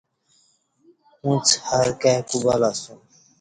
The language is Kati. اُݩڅ ہر کائی کو بلہ اسوم